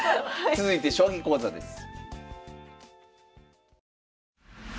続いて将棋講座です。